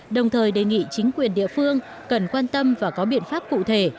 đồng thời đề nghị chính quyền địa phương cần quan tâm và có biện pháp cụ thể